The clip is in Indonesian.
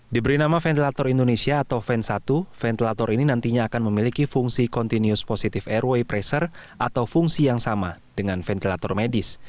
diberi nama ventilator indonesia atau ven satu ventilator ini nantinya akan memiliki fungsi continuous positive airway pressure atau fungsi yang sama dengan ventilator medis